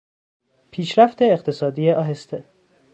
پیشرفت اقتصادی آهسته